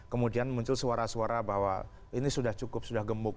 kemudian muncul suara suara bahwa ini sudah cukup sudah gemuk